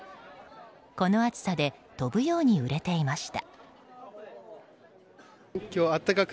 この暑さで飛ぶように売れていました。